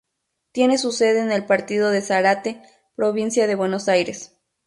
Tiene su sede en el partido de Zárate, provincia de Buenos Aires.